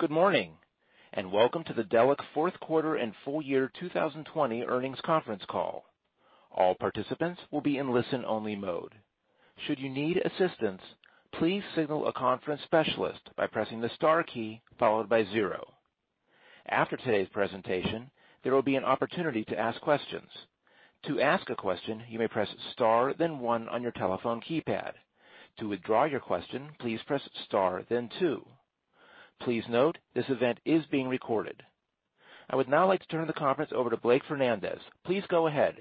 Good morning, and welcome to the Delek fourth quarter and full year 2020 earnings conference call. All participants will be in listen-only mode. Should you need assistance, please signal a conference specialist by pressing the star key followed by zero. After today's presentation, there will be an opportunity to ask questions. To ask a question, you may press star then one on your telephone keypad. To withdraw your question, please press star then two. Please note, this event is being recorded. I would now like to turn the conference over to Blake Fernandez. Please go ahead.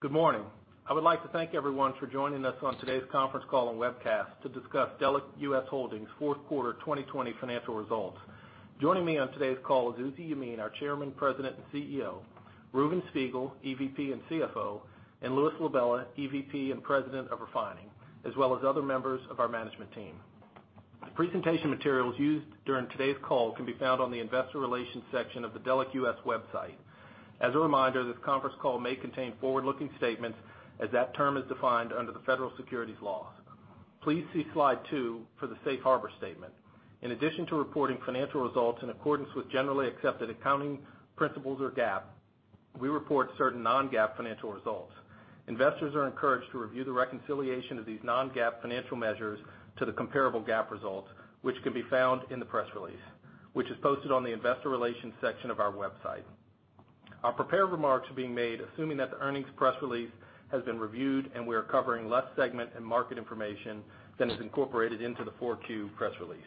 Good morning. I would like to thank everyone for joining us on today's conference call and webcast to discuss Delek US Holdings' fourth quarter 2020 financial results. Joining me on today's call is Uzi Yemin, our Chairman, President, and CEO, Reuven Spiegel, EVP and CFO, and Louis LaBella, EVP and President of Refining, as well as other members of our management team. The presentation materials used during today's call can be found on the investor relations section of the Delek US website. As a reminder, this conference call may contain forward-looking statements as that term is defined under the federal securities law. Please see slide two for the safe harbor statement. In addition to reporting financial results in accordance with generally accepted accounting principles or GAAP, we report certain non-GAAP financial results. Investors are encouraged to review the reconciliation of these non-GAAP financial measures to the comparable GAAP results, which can be found in the press release, which is posted on the investor relations section of our website. Our prepared remarks are being made assuming that the earnings press release has been reviewed, and we are covering less segment and market information than is incorporated into the 4Q press release.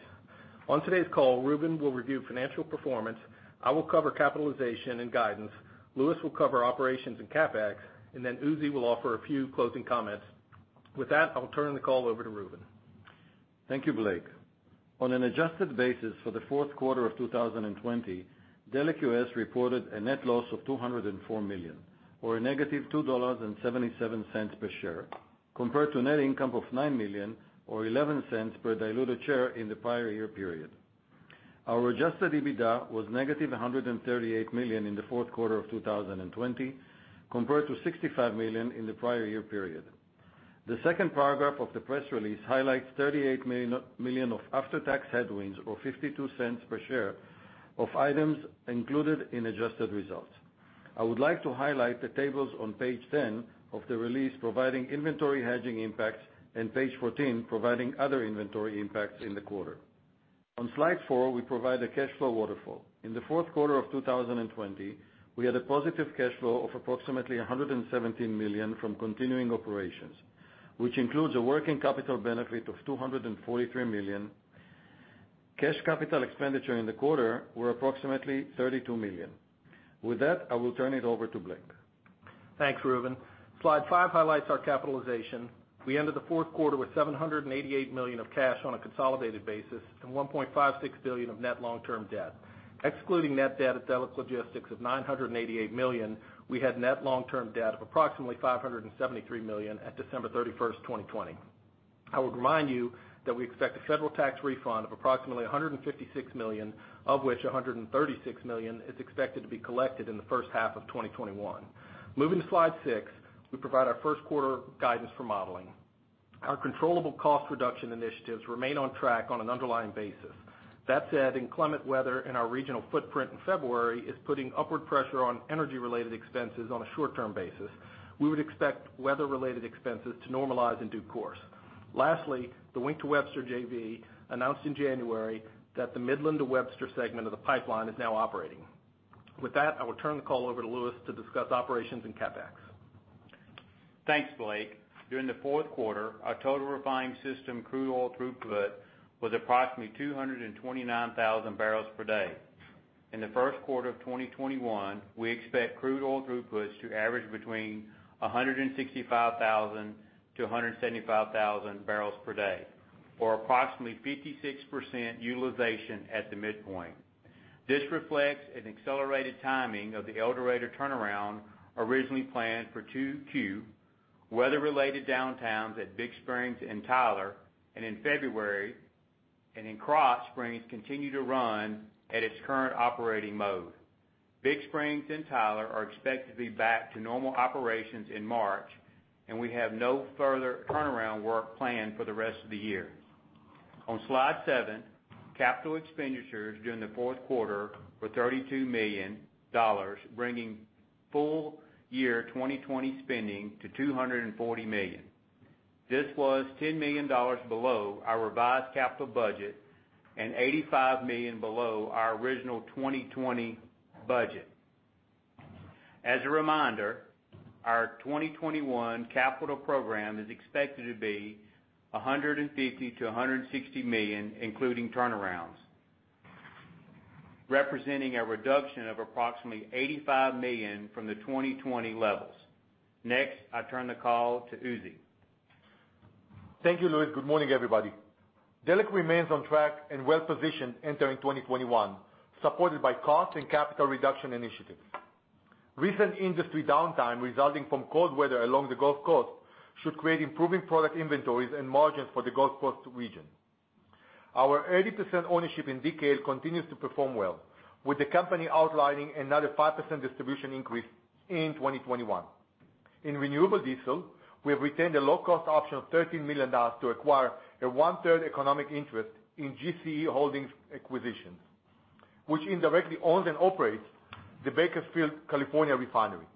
On today's call, Reuven will review financial performance, I will cover capitalization and guidance, Louis will cover operations and CapEx, and then Uzi will offer a few closing comments. With that, I will turn the call over to Reuven. Thank you, Blake. On an adjusted basis for the fourth quarter of 2020, Delek US reported a net loss of $204 million, or a negative $2.77 per share, compared to a net income of $9 million or $0.11 per diluted share in the prior year period. Our adjusted EBITDA was negative $138 million in the fourth quarter of 2020, compared to $65 million in the prior year period. The second paragraph of the press release highlights $38 million of after-tax headwinds, or $0.52 per share of items included in adjusted results. I would like to highlight the tables on page 10 of the release providing inventory hedging impacts and page 14 providing other inventory impacts in the quarter. On slide four, we provide a cash flow waterfall. In the fourth quarter of 2020, we had a positive cash flow of approximately $117 million from continuing operations, which includes a working capital benefit of $243 million. Cash CapEx in the quarter were approximately $32 million. With that, I will turn it over to Blake. Thanks, Reuven. Slide five highlights our capitalization. We ended the fourth quarter with $788 million of cash on a consolidated basis and $1.56 billion of net long-term debt. Excluding net debt at Delek Logistics of $988 million, we had net long-term debt of approximately $573 million at December 31st, 2020. I would remind you that we expect a federal tax refund of approximately $156 million, of which $136 million is expected to be collected in the first half of 2021. Moving to slide six, we provide our first quarter guidance for modeling. Our controllable cost reduction initiatives remain on track on an underlying basis. That said, inclement weather in our regional footprint in February is putting upward pressure on energy-related expenses on a short-term basis. We would expect weather-related expenses to normalize in due course. Lastly, the Wink to Webster JV announced in January that the Midland to Webster segment of the pipeline is now operating. With that, I will turn the call over to Louis to discuss operations and CapEx. Thanks, Blake. During the fourth quarter, our total refining system crude oil throughput was approximately 229,000 barrels per day. In the first quarter of 2021, we expect crude oil throughputs to average between 165,000-175,000 barrels per day or approximately 56% utilization at the midpoint. This reflects an accelerated timing of the El Dorado turnaround originally planned for 2Q, weather-related downtimes at Big Spring and Tyler, and in February, and then Krotz Springs continue to run at its current operating mode. Big Spring and Tyler are expected to be back to normal operations in March, and we have no further turnaround work planned for the rest of the year. On slide seven, capital expenditures during the fourth quarter were $32 million, bringing full year 2020 spending to $240 million. This was $10 million below our revised capital budget and $85 million below our original 2020 budget. As a reminder, our 2021 capital program is expected to be $150 million-$160 million, including turnarounds, representing a reduction of approximately $85 million from the 2020 levels. Next, I turn the call to Uzi. Thank you, Louis. Good morning, everybody. Delek remains on track and well-positioned entering 2021, supported by cost and capital reduction initiatives. Recent industry downtime resulting from cold weather along the Gulf Coast should create improving product inventories and margins for the Gulf Coast region. Our 80% ownership in DKL continues to perform well, with the company outlining another 5% distribution increase in 2021. In renewable diesel, we have retained a low-cost option of $13 million to acquire a 1/3 economic interest in GCE Holdings Acquisitions, which indirectly owns and operates the Bakersfield, California refinery.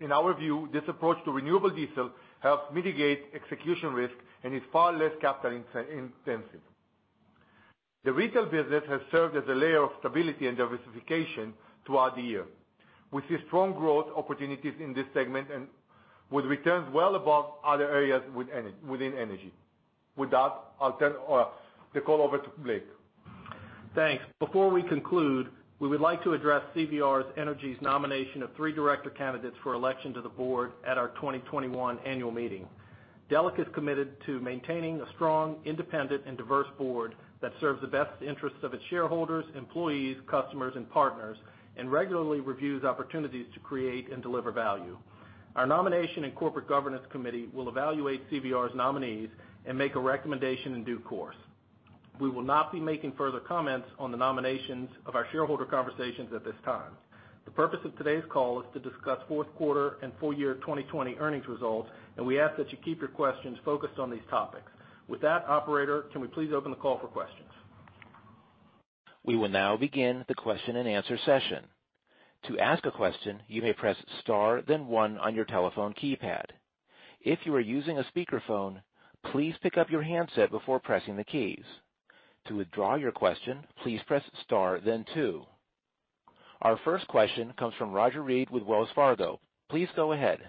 In our view, this approach to renewable diesel helps mitigate execution risk and is far less capital-intensive. The retail business has served as a layer of stability and diversification throughout the year. We see strong growth opportunities in this segment and with returns well above other areas within energy. With that, I'll turn the call over to Blake. Thanks. Before we conclude, we would like to address CVR Energy's nomination of three director candidates for election to the board at our 2021 annual meeting. Delek is committed to maintaining a strong, independent, and diverse board that serves the best interests of its shareholders, employees, customers, and partners, and regularly reviews opportunities to create and deliver value. Our nomination and corporate governance committee will evaluate CVR Energy's nominees and make a recommendation in due course. We will not be making further comments on the nominations of our shareholder conversations at this time. The purpose of today's call is to discuss fourth quarter and full year 2020 earnings results. We ask that you keep your questions focused on these topics. With that, operator, can we please open the call for questions? We will now begin the question-and-answer session. To ask a question, you may press star then one on your telephone keypad. If you are using a speakerphone, please pick up your handset before pressing the keys. To withdraw your question, please press star then two. Our first question comes from Roger Read with Wells Fargo. Please go ahead.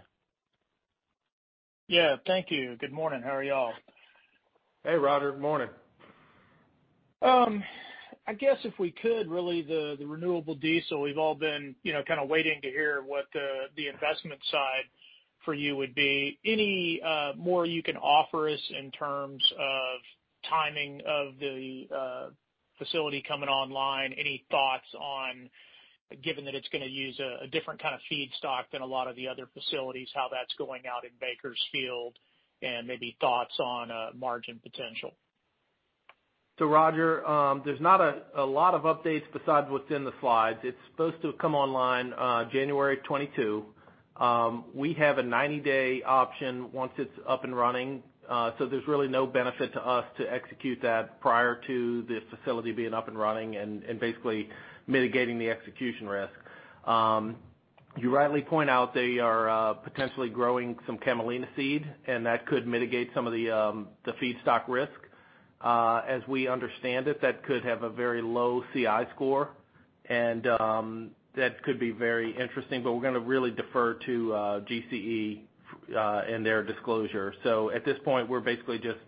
Yeah, thank you. Good morning. How are y'all? Hey, Roger. Morning. The renewable diesel, we've all been waiting to hear what the investment side for you would be. Any more you can offer us in terms of timing of the facility coming online? Any thoughts on, given that it's gonna use a different kind of feedstock than a lot of the other facilities, how that's going out in Bakersfield, and maybe thoughts on margin potential? Roger, there's not a lot of updates besides what's in the slides. It's supposed to come online January 22. We have a 90-day option once it's up and running. There's really no benefit to us to execute that prior to this facility being up and running and basically mitigating the execution risk. You rightly point out they are potentially growing some camelina seed, and that could mitigate some of the feedstock risk. As we understand it, that could have a very low CI score, and that could be very interesting, but we're gonna really defer to GCE and their disclosure. At this point, we're basically just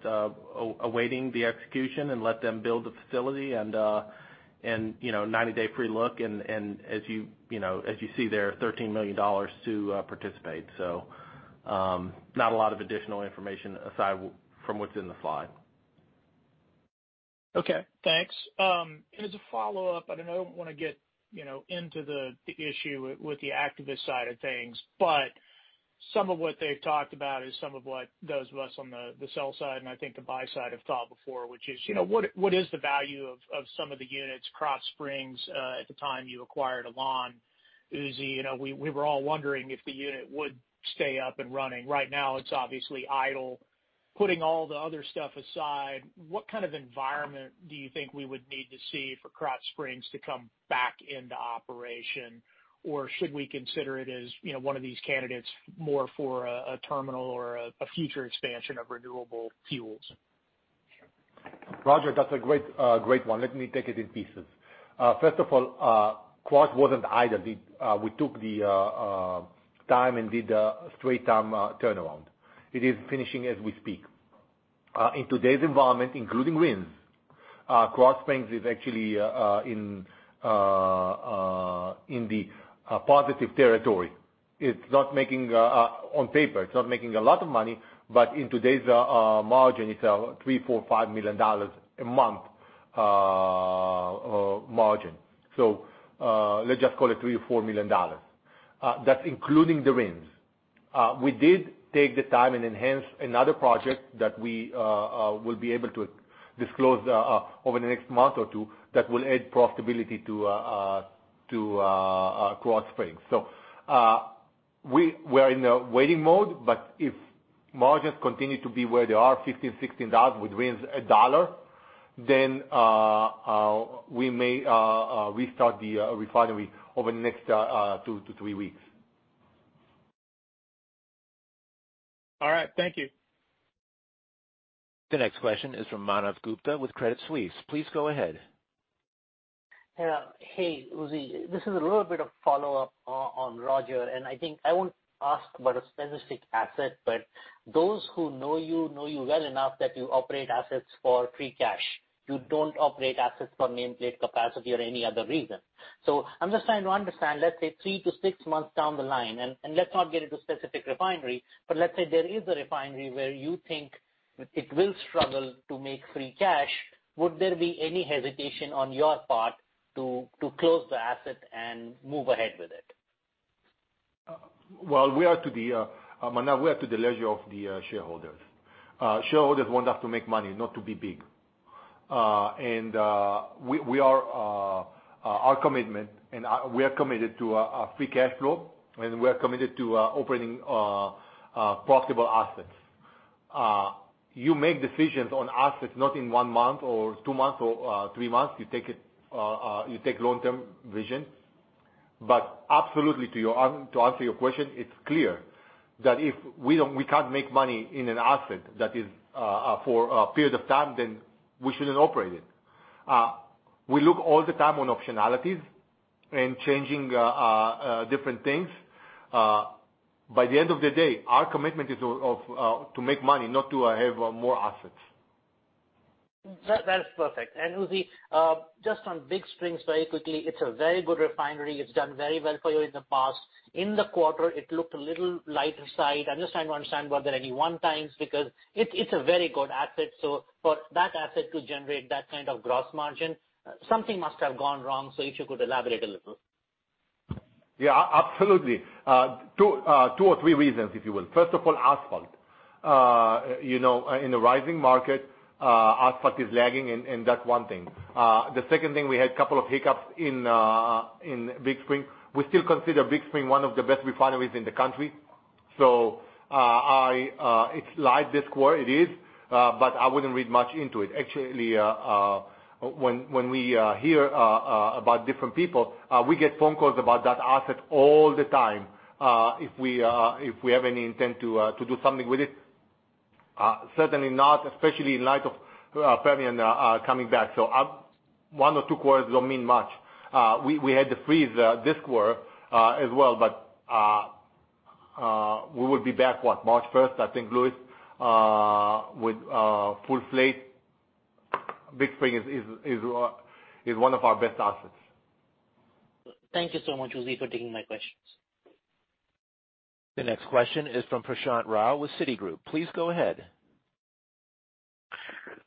awaiting the execution and let them build the facility and 90-day free look, and as you see there, $13 million to participate. Not a lot of additional information aside from what's in the slide. As a follow-up, I don't want to get into the issue with the activist side of things, but some of what they've talked about is some of what those of us on the sell side and I think the buy side have thought before, which is, what is the value of some of the units, Krotz Springs, at the time you acquired Alon. Uzi, we were all wondering if the unit would stay up and running. Right now it's obviously idle. Putting all the other stuff aside, what kind of environment do you think we would need to see for Krotz Springs to come back into operation? Should we consider it as one of these candidates more for a terminal or a future expansion of renewable fuels? Roger, that's a great one. Let me take it in pieces. First of all, Krotz wasn't idle. We took the time and did a straight term turnaround. It is finishing as we speak. In today's environment, including RINs, Krotz Springs is actually in the positive territory. On paper, it's not making a lot of money, but in today's margin, it's a three, four, $5 million a month margin. Let's just call it three or $4 million. That's including the RINs. We did take the time and enhance another project that we will be able to disclose over the next month or two that will add profitability to Krotz Springs. We're in a waiting mode, but if margins continue to be where they are, 15, $16 with RINs $1, then we may restart the refinery over the next two to three weeks. All right. Thank you. The next question is from Manav Gupta with Credit Suisse. Please go ahead. Hey, Uzi. This is a little bit of follow-up on Roger, I think I won't ask about a specific asset, but those who know you, know you well enough that you operate assets for free cash. You don't operate assets for nameplate capacity or any other reason. I'm just trying to understand, let's say three to six months down the line, and let's not get into specific refinery, but let's say there is a refinery where you think it will struggle to make free cash. Would there be any hesitation on your part to close the asset and move ahead with it? Well, Manav, we are to the leisure of the shareholders. Shareholders want us to make money, not to be big. Our commitment, we are committed to a free cash flow, and we are committed to operating profitable assets. You make decisions on assets not in one month or two months or three months. You take long-term vision. Absolutely, to answer your question, it's clear that if we can't make money in an asset that is for a period of time, then we shouldn't operate it. We look all the time on optionalities and changing different things. By the end of the day, our commitment is to make money, not to have more assets. That is perfect. Uzi, just on Big Spring very quickly. It's a very good refinery. It's done very well for you in the past. In the quarter, it looked a little lighter side. I'm just trying to understand were there any one-offs, because it's a very good asset. For that asset to generate that kind of gross margin, something must have gone wrong. If you could elaborate a little. Yeah, absolutely. Two or three reasons, if you will. First of all, asphalt. In the rising market, asphalt is lagging, and that's one thing. The second thing, we had couple of hiccups in Big Spring. We still consider Big Spring one of the best refineries in the country. It's light this quarter, it is. I wouldn't read much into it. Actually, when we hear about different people, we get phone calls about that asset all the time. If we have any intent to do something with it. Certainly not, especially in light of Permian coming back. One or two quarters don't mean much. We had to freeze this quarter as well, but we will be back, what, March 1st, I think, Louis, with full slate. Big Spring is one of our best assets. Thank you so much, Uzi, for taking my questions. The next question is from Prashant Rao with Citigroup. Please go ahead.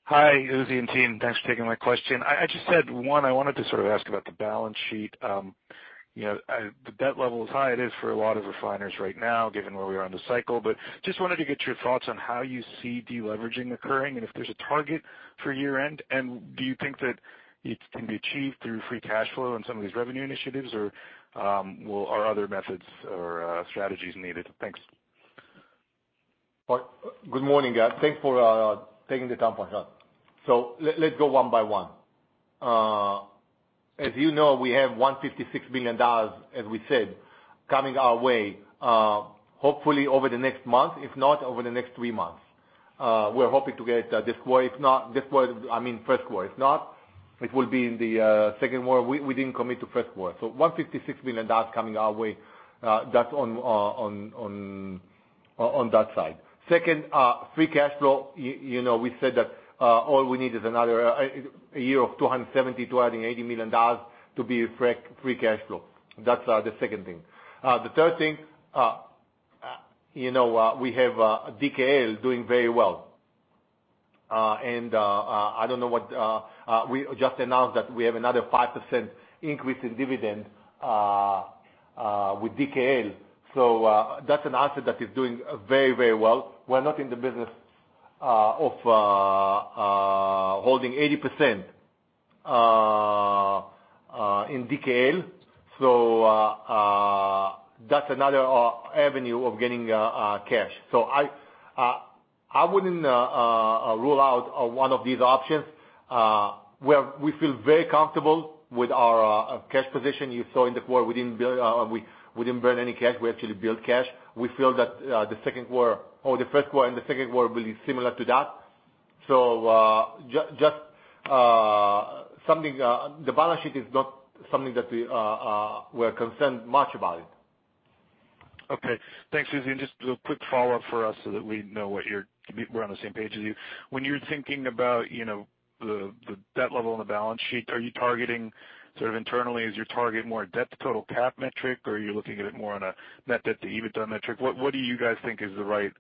Hi, Uzi and team. Thanks for taking my question. I just had one, I wanted to sort of ask about the balance sheet. The debt level is high, it is for a lot of refiners right now, given where we are in the cycle. Just wanted to get your thoughts on how you see deleveraging occurring, and if there's a target for year-end. Do you think that it can be achieved through free cash flow in some of these revenue initiatives, or are other methods or strategies needed? Thanks. Good morning. Thanks for taking the time, Prashant. Let's go one by one. As you know, we have $156 million, as we said, coming our way hopefully over the next month, if not over the next three months. We're hoping to get this quarter. I mean, first quarter. If not, it will be in the second quarter. We didn't commit to first quarter. $156 million coming our way. That's on that side. Second, free cash flow. We said that all we need is another year of $270 million-$280 million to be free cash flow. That's the second thing. The third thing. We have DKL doing very well. We just announced that we have another 5% increase in dividend with DKL. That's an asset that is doing very well. We're not in the business of holding 80% in DKL. That's another avenue of getting cash. I wouldn't rule out one of these options. We feel very comfortable with our cash position. You saw in the quarter, we didn't burn any cash. We actually built cash. We feel that the first quarter and the second quarter will be similar to that. The balance sheet is not something that we're concerned much about. Okay. Thanks, Uzi. Just a quick follow-up for us so that we know we're on the same page as you. When you're thinking about the debt level on the balance sheet, are you targeting sort of internally, is your target more a debt to total cap metric, or are you looking at it more on a net debt to EBITDA metric? What do you guys think is the right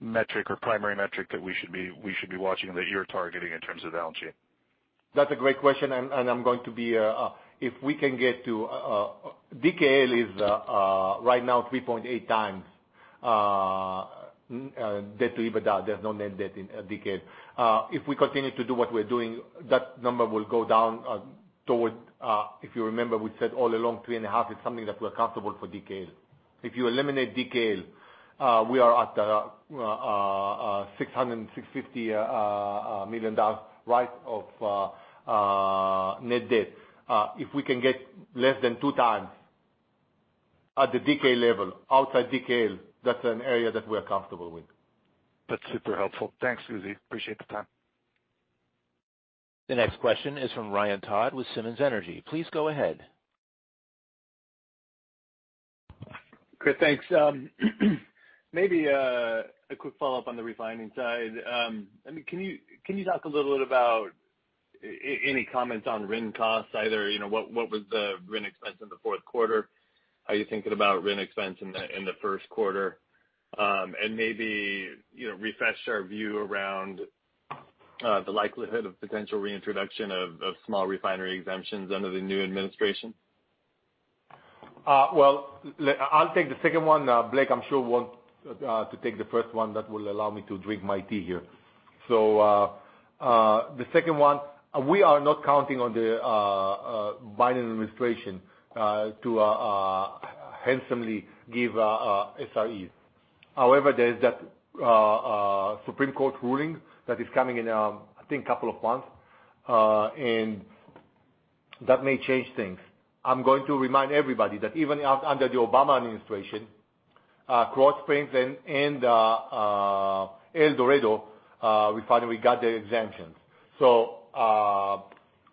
metric or primary metric that we should be watching that you're targeting in terms of balance sheet? That's a great question. DKL is right now 3.8x debt to EBITDA. There's no net debt in DKL. If we continue to do what we're doing, that number will go down towards If you remember, we said all along 3.5x is something that we're comfortable for DKL. If you eliminate DKL, we are at $650 million, right, of net debt. If we can get less than 2x at the DKL level, outside DKL, that's an area that we're comfortable with. That's super helpful. Thanks, Uzi. Appreciate the time. The next question is from Ryan Todd with Simmons Energy. Please go ahead. Chris, thanks. Maybe a quick follow-up on the refining side. Can you talk a little bit about any comments on RIN costs, either what was the RIN expense in the fourth quarter? How are you thinking about RIN expense in the first quarter? Maybe refresh our view around the likelihood of potential reintroduction of Small Refinery Exemptions under the new administration? Well, I'll take the second one. Blake, I'm sure want to take the first one. That will allow me to drink my tea here. The second one, we are not counting on the Biden administration to handsomely give SREs. However, there is that Supreme Court ruling that is coming in, I think, couple of months, and that may change things. I'm going to remind everybody that even under the Obama administration, Krotz Springs and El Dorado refinery got their exemptions.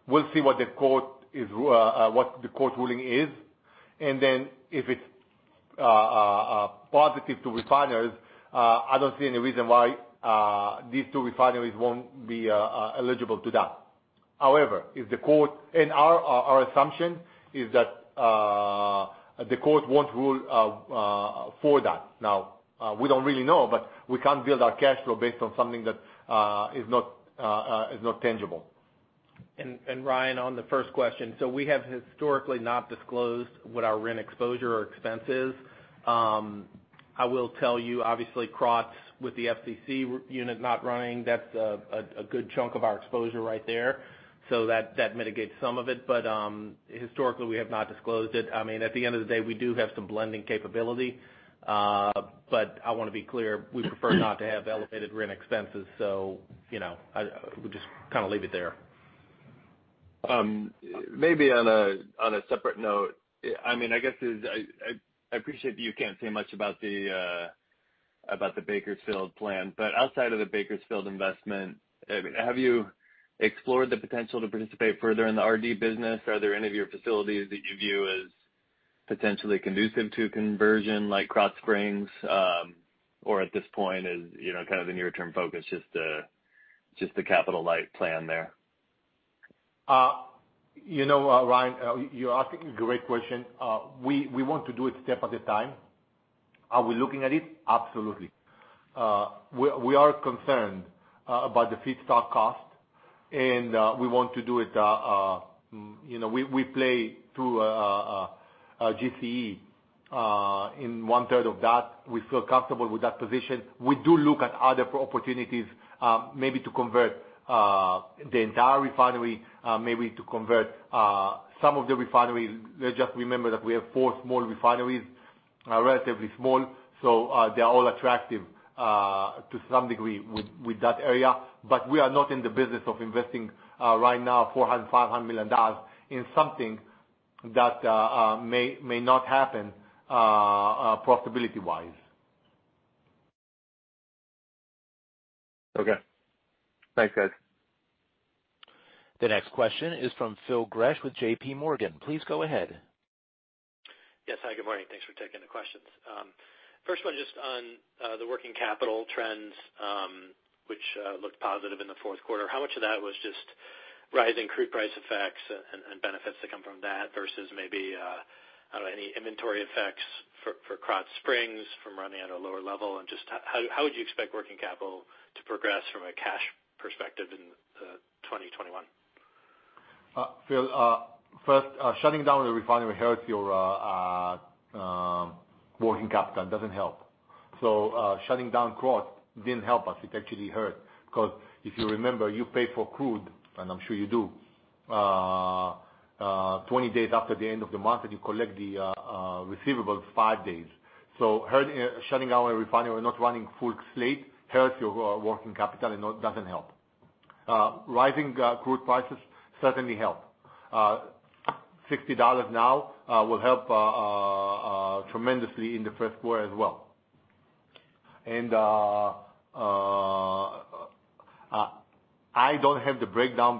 We'll see what the court ruling is, and then if it's positive to refineries, I don't see any reason why these two refineries won't be eligible to that. However, our assumption is that the court won't rule for that. Now, we don't really know, but we can't build our cash flow based on something that is not tangible. Ryan, on the first question, we have historically not disclosed what our RIN exposure or expense is. I will tell you, obviously, Krotz with the FCC unit not running, that's a good chunk of our exposure right there. That mitigates some of it, historically, we have not disclosed it. At the end of the day, we do have some blending capability. I want to be clear, we prefer not to have elevated RIN expenses. We'll just leave it there. Maybe on a separate note. I appreciate that you can't say much about the Bakersfield plan. Outside of the Bakersfield investment, have you explored the potential to participate further in the RD business? Are there any of your facilities that you view as potentially conducive to conversion like Krotz Springs? At this point is the near term focus just the capital light plan there? Ryan, you're asking a great question. We want to do it a step at a time. Are we looking at it? Absolutely. We are concerned about the feedstock cost, and we want to do it. We play through GCE. In 1/3 of that, we feel comfortable with that position. We do look at other opportunities, maybe to convert the entire refinery, maybe to convert some of the refineries. Just remember that we have four small refineries, relatively small. They are all attractive to some degree with that area. We are not in the business of investing right now $400 million, $500 million in something that may not happen profitability-wise. Okay. Thanks, guys. The next question is from Phil Gresh with JP Morgan. Please go ahead. Yes. Hi, good morning. Thanks for taking the questions. First one just on the working capital trends, which looked positive in the fourth quarter. How much of that was just rising crude price effects and benefits that come from that versus maybe, I don't know, any inventory effects for Krotz Springs from running at a lower level? Just how would you expect working capital to progress from a cash perspective in 2021? Phil, shutting down the refinery hurts your working capital. It doesn't help. Shutting down Krotz didn't help us. It actually hurt. If you remember, you pay for crude, and I'm sure you do, 20 days after the end of the month, and you collect the receivables five days. Shutting down a refinery or not running full slate hurts your working capital, and it doesn't help. Rising crude prices certainly help. $60 now will help tremendously in the first quarter as well. We don't have the breakdown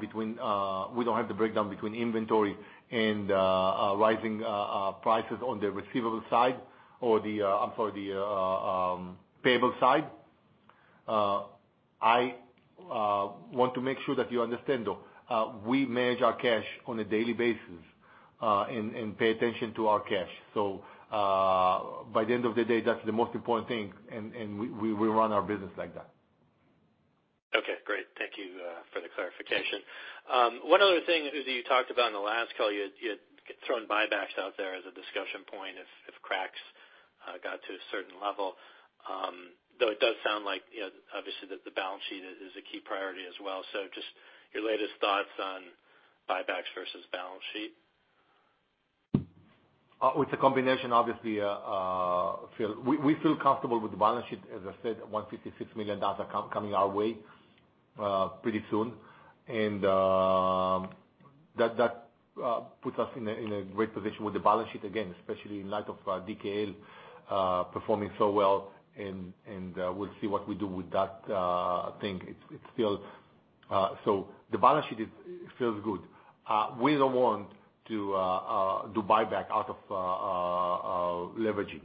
between inventory and rising prices on the receivable side, or I'm sorry, the payable side. I want to make sure that you understand, though. We manage our cash on a daily basis, and pay attention to our cash. By the end of the day, that's the most important thing, and we run our business like that. Okay, great. Thank you for the clarification. One other thing, Uzi, you talked about in the last call. You had thrown buybacks out there as a discussion point if cracks got to a certain level. Though it does sound like, obviously, that the balance sheet is a key priority as well. Just your latest thoughts on buybacks versus balance sheet. With the combination, obviously, Phil. We feel comfortable with the balance sheet, as I said, $156 million coming our way pretty soon. That puts us in a great position with the balance sheet again, especially in light of DKL performing so well. We'll see what we do with that thing. The balance sheet feels good. We don't want to do buyback out of leveraging.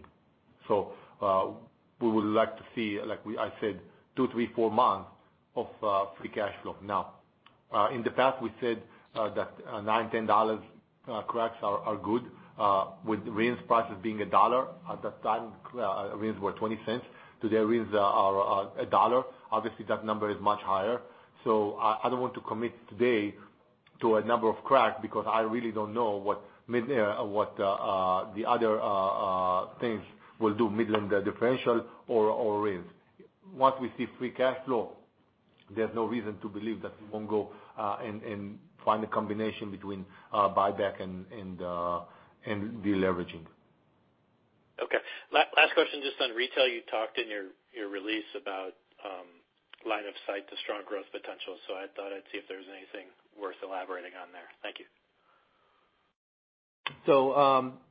We would like to see, like I said, two, three, four months of free cash flow. In the past, we said that $9, $10 cracks are good with RINs prices being $1. At that time, RINs were $0.20. Today, RINs are $1. Obviously, that number is much higher. I don't want to commit today to a number of crack because I really don't know what the other things will do Midland differential or RINs. Once we see free cash flow, there's no reason to believe that we won't go and find a combination between buyback and de-leveraging. Okay. Last question just on retail. You talked in your release about line of sight to strong growth potential. I thought I'd see if there's anything worth elaborating on there. Thank you.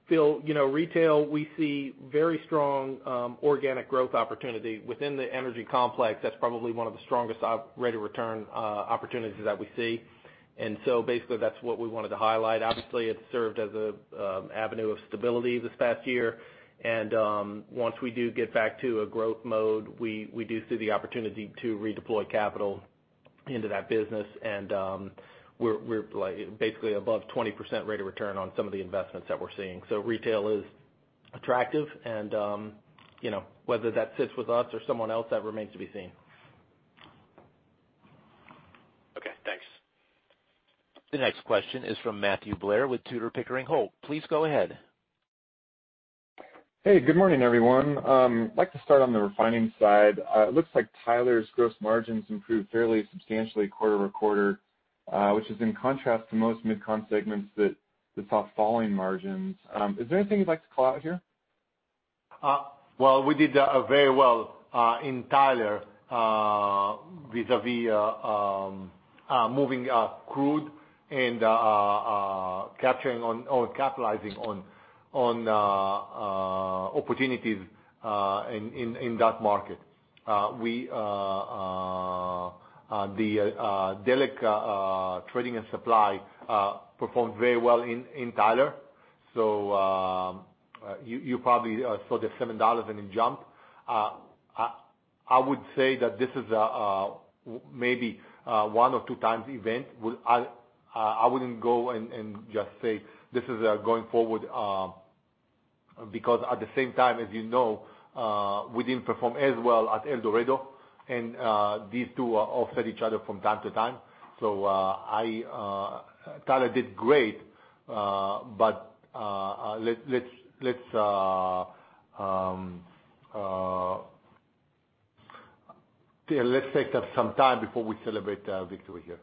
Phil, retail, we see very strong organic growth opportunity. Within the energy complex, that's probably one of the strongest rate of return opportunities that we see. Basically that's what we wanted to highlight. Obviously, it's served as an avenue of stability this past year. Once we do get back to a growth mode, we do see the opportunity to redeploy capital into that business. We're basically above 20% rate of return on some of the investments that we're seeing. Retail is attractive and whether that sits with us or someone else, that remains to be seen. Okay, thanks. The next question is from Matthew Blair with Tudor, Pickering, Holt. Please go ahead. Hey, good morning, everyone. I'd like to start on the refining side. It looks like Tyler's gross margins improved fairly substantially quarter-over-quarter, which is in contrast to most mid-con segments that saw falling margins. Is there anything you'd like to call out here? Well, we did very well in Tyler vis-à-vis moving crude and capitalizing on opportunities in that market. The Delek Trading and Supply performed very well in Tyler. You probably saw the $7 and it jumped. I would say that this is maybe a one or two times event. I wouldn't go and just say this is going forward, because at the same time, as you know, we didn't perform as well at El Dorado, and these two offset each other from time to time. Tyler did great, but let's take some time before we celebrate victory here.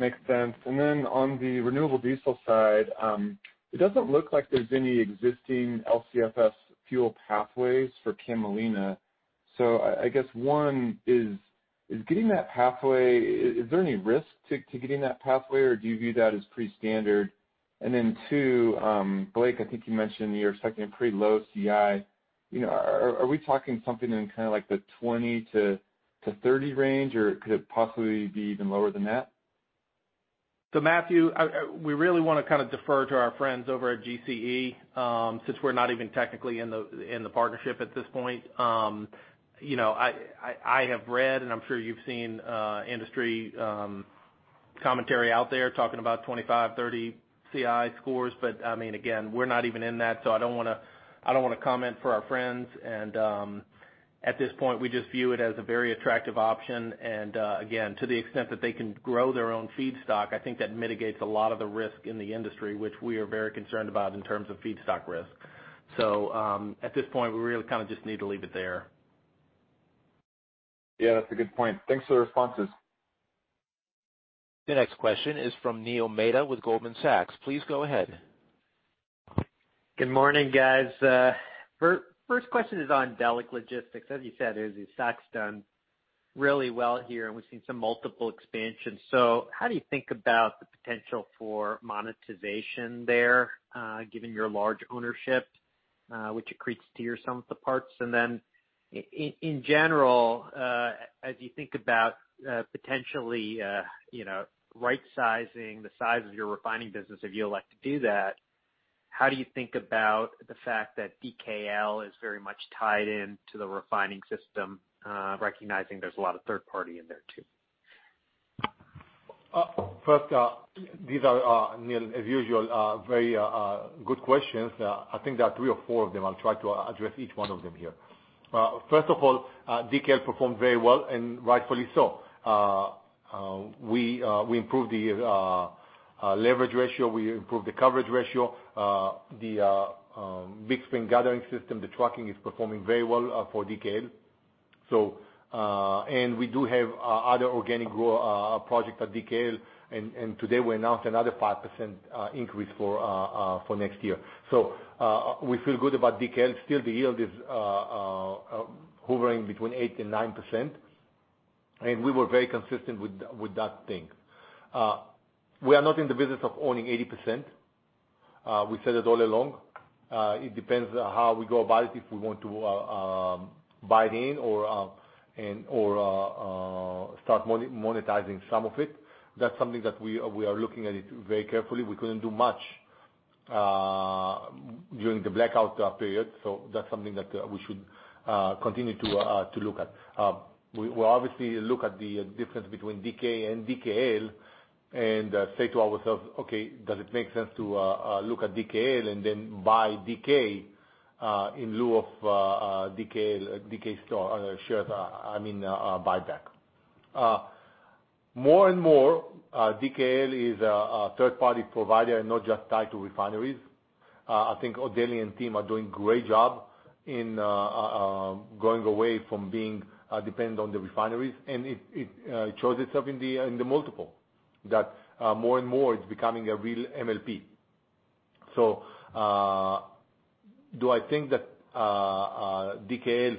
Makes sense. On the renewable diesel side, it doesn't look like there's any existing LCFS fuel pathways for camelina. I guess one is getting that pathway, is there any risk to getting that pathway, or do you view that as pretty standard? Two, Blake, I think you mentioned you're expecting a pretty low CI. Are we talking something in kind of like the 20-30 range, or could it possibly be even lower than that? Matthew, we really want to kind of defer to our friends over at GCE since we're not even technically in the partnership at this point. I have read, and I'm sure you've seen industry commentary out there talking about 25, 30 CI scores, but again, we're not even in that, so I don't want to comment for our friends. At this point, we just view it as a very attractive option. Again, to the extent that they can grow their own feedstock, I think that mitigates a lot of the risk in the industry, which we are very concerned about in terms of feedstock risk. At this point, we really kind of just need to leave it there. Yeah, that's a good point. Thanks for the responses. The next question is from Neil Mehta with Goldman Sachs. Please go ahead. Good morning, guys. First question is on Delek Logistics. As you said, Uzi, stock's done really well here, and we've seen some multiple expansions. How do you think about the potential for monetization there given your large ownership, which accretes to some of the parts? Then in general, as you think about potentially right-sizing the size of your refining business, if you elect to do that, how do you think about the fact that DKL is very much tied into the refining system recognizing there's a lot of third party in there too? First, these are, Neil, as usual, very good questions. I think there are three or four of them. I'll try to address each one of them here. First of all, DKL performed very well, and rightfully so. We improved the leverage ratio. We improved the coverage ratio. The Big Spring gathering system, the trucking is performing very well for DKL. We do have other organic growth projects at DKL, and today we announced another 5% increase for next year. We feel good about DKL. Still, the yield is hovering between 8 and 9%, and we were very consistent with that thing. We are not in the business of owning 80%. We said it all along. It depends how we go about it, if we want to buy it in or start monetizing some of it. That's something that we are looking at it very carefully. We couldn't do much during the blackout period. That's something that we should continue to look at. We obviously look at the difference between DK and DKL and say to ourselves, "Okay, does it make sense to look at DKL and then buy DK in lieu of DK shares, I mean, buyback?" More and more, DKL is a third-party provider and not just tied to refineries. I think Odell and team are doing a great job in going away from being dependent on the refineries, and it shows itself in the multiple. That more and more it's becoming a real MLP. Do I think that DKL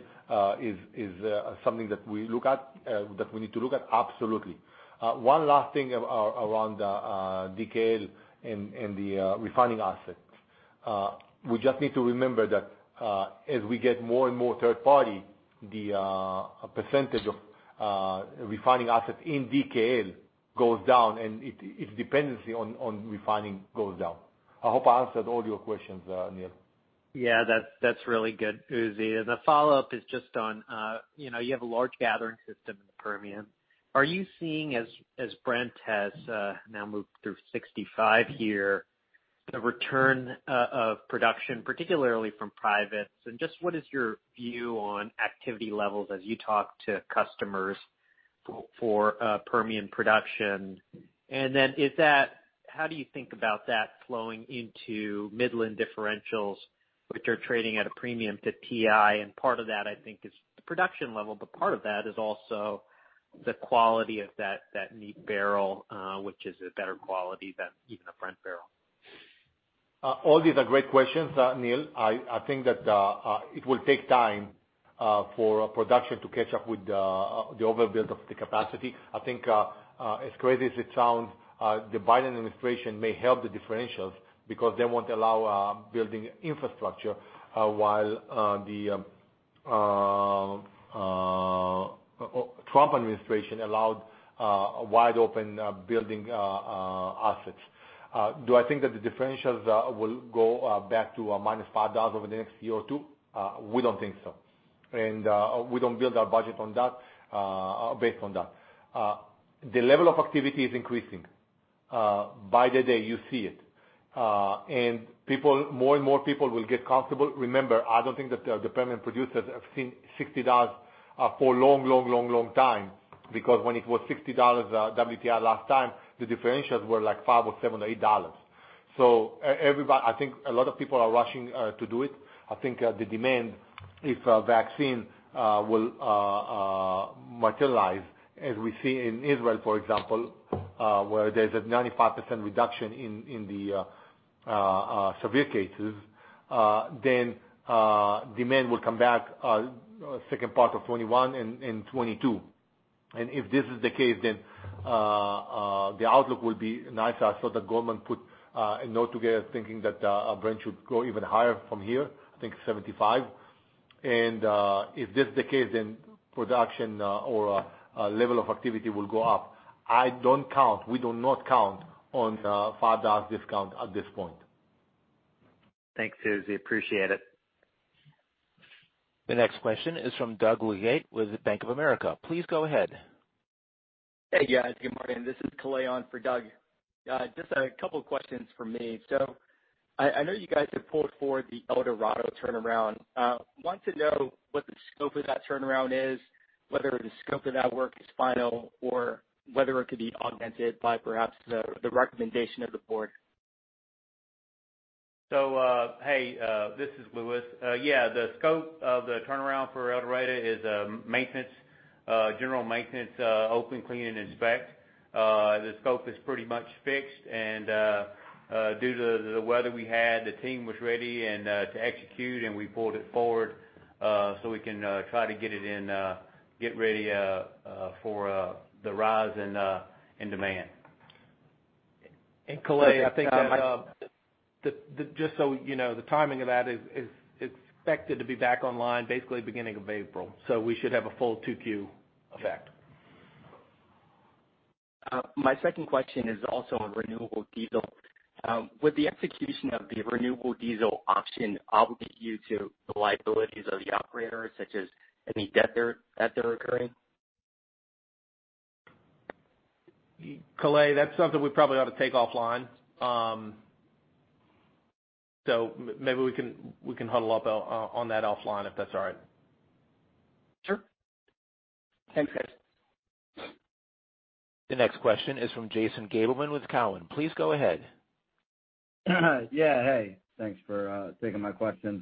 is something that we need to look at? Absolutely. One last thing around DKL and the refining assets. We just need to remember that as we get more and more third party, the percentage of refining assets in DKL goes down, and its dependency on refining goes down. I hope I answered all your questions, Neil. That's really good, Uzi. The follow-up is just on, you have a large gathering system in the Permian. Are you seeing, as Brent has now moved through 65 here, the return of production, particularly from privates? Just what is your view on activity levels as you talk to customers for Permian production? How do you think about that flowing into Midland differentials, which are trading at a premium to TI. Part of that I think is the production level, but part of that is also the quality of that neat barrel, which is a better quality than even a Brent barrel. All these are great questions, Neil. I think that it will take time for production to catch up with the overbuild of the capacity. I think, as crazy as it sounds, the Biden administration may help the differentials because they won't allow building infrastructure, while the Trump administration allowed wide open building assets. Do I think that the differentials will go back to minus $5 over the next year or two? We don't think so. We don't build our budget based on that. The level of activity is increasing by the day. You see it. More and more people will get comfortable. Remember, I don't think that the Permian producers have seen $60 for a long time, because when it was $60 WTI last time, the differentials were like $5 or $7, $8. I think a lot of people are rushing to do it. I think the demand, if a vaccine will materialize, as we see in Israel, for example, where there's a 95% reduction in the severe cases, then demand will come back second part of 2021 and 2022. If this is the case, the outlook will be nicer. The government put a note together thinking that Brent should go even higher from here, I think $75. If this is the case, production or level of activity will go up. We do not count on $5 discount at this point. Thanks, Uzi. Appreciate it. The next question is from Doug Leggate with Bank of America. Please go ahead. Hey, guys. Good morning. This is Kalei for Doug. Just a couple of questions from me. I know you guys have pulled forward the El Dorado turnaround. Want to know what the scope of that turnaround is, whether the scope of that work is final, or whether it could be augmented by perhaps the recommendation of the board. This is Louis. The scope of the turnaround for El Dorado is general maintenance, open, clean, and inspect. The scope is pretty much fixed, and due to the weather we had, the team was ready to execute, and we pulled it forward so we can try to get ready for the rise in demand. Just so you know, the timing of that is expected to be back online basically beginning of April. We should have a full 2Q effect. My second question is also on renewable diesel. With the execution of the renewable diesel option, are you to the liabilities of the operators, such as any debt that they're incurring? Kalei, that's something we probably ought to take offline. Maybe we can huddle up on that offline, if that's all right. Sure. Thanks, guys. The next question is from Jason Gabelman with Cowen. Please go ahead. Yeah. Hey. Thanks for taking my questions.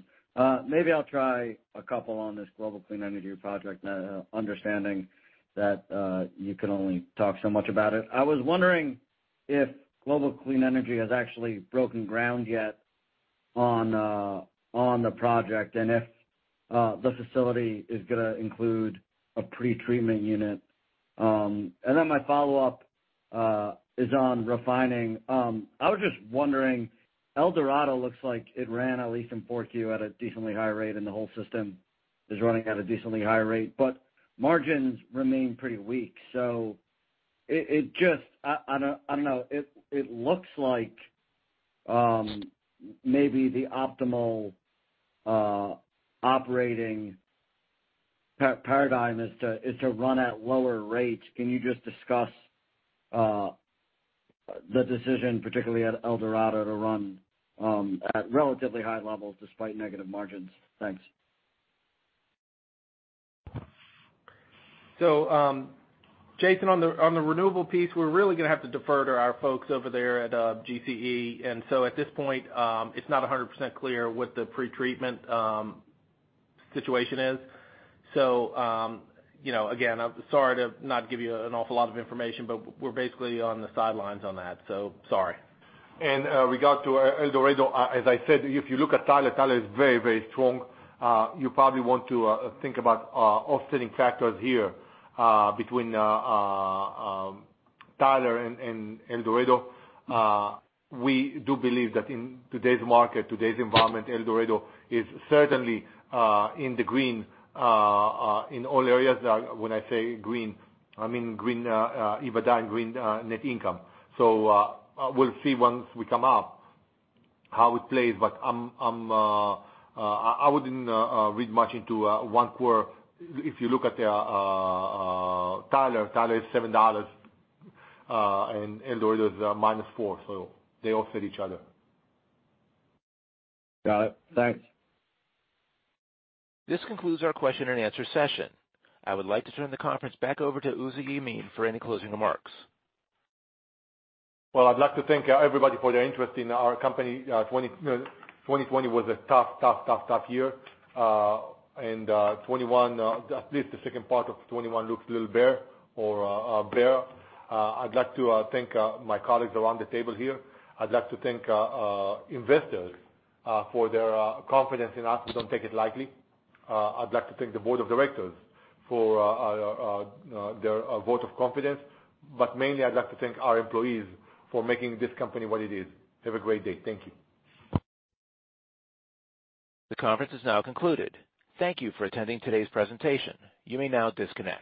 Maybe I'll try a couple on this Global Clean Energy project, understanding that you can only talk so much about it. I was wondering if Global Clean Energy has actually broken ground yet on the project, and if the facility is going to include a pretreatment unit. My follow-up is on refining. I was just wondering, El Dorado looks like it ran at least in 4Q at a decently high rate, and the whole system is running at a decently high rate, but margins remain pretty weak. It looks like maybe the optimal operating paradigm is to run at lower rates. Can you just discuss the decision, particularly at El Dorado, to run at relatively high levels despite negative margins? Thanks. Jason, on the renewable piece, we're really going to have to defer to our folks over there at GCE. At this point, it's not 100% clear what the pretreatment situation is. Again, I'm sorry to not give you an awful lot of information, but we're basically on the sidelines on that. Sorry. Regarding El Dorado, as I said, if you look at Tyler is very, very strong. You probably want to think about offsetting factors here, between Tyler and El Dorado. We do believe that in today's market, today's environment, El Dorado is certainly in the green, in all areas. When I say green, I mean green EBITDA and green net income. We'll see once we come up how it plays. I wouldn't read much into one quarter. If you look at Tyler is $7, and El Dorado is minus four, so they offset each other. Got it. Thanks. This concludes our question-and-answer session. I would like to turn the conference back over to Uzi Yemin for any closing remarks. Well, I'd like to thank everybody for their interest in our company. 2020 was a tough year. 2021, at least the second part of 2021 looks a little bare or bear. I'd like to thank my colleagues around the table here. I'd like to thank investors for their confidence in us. We don't take it lightly. I'd like to thank the board of directors for their vote of confidence. Mainly, I'd like to thank our employees for making this company what it is. Have a great day. Thank you. The conference is now concluded. Thank you for attending today's presentation. You may now disconnect.